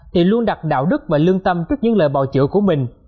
thì luôn đặt đạo đức và lương tâm trước những lời bào chữa của mình